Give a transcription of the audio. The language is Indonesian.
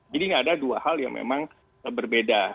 jadi ini ada dua hal yang memang berbeda